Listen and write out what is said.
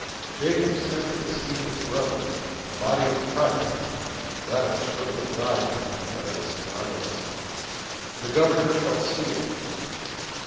'Jacob sent to see his brother' body of Christ! that upstroke of thine, Paquita, is marvelous; the Governor shall see it!"